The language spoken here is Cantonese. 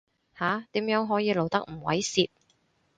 下，點樣可以露得唔猥褻